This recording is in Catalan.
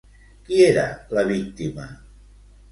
Qui era la víctima?